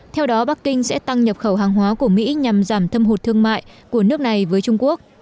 theo đó bắc kinh sẽ tăng nhập khẩu hàng hóa của mỹ nhằm giảm thâm hụt thương mại của nước này với trung quốc